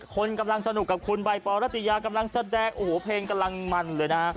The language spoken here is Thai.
คนกำลังสนุกกับคุณใบปอรัตยากำลังแสดงโอ้โหเพลงกำลังมันเลยนะฮะ